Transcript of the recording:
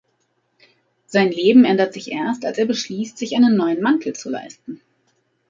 Sein Leben ändert sich erst, als er beschließt, sich einen neuen Mantel zu leisten.